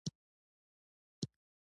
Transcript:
احمد کار نه کوي؛ کرار کور ناست دی.